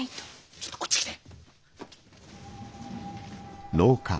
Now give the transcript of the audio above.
ちょっとこっち来て。